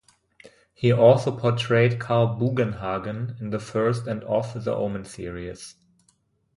He also portrayed Carl Bugenhagen in the first and of "The Omen" series.